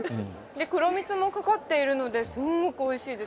黒蜜もかかっているので、すんごくおいしいです。